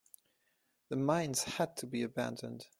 The mines had to be abandoned.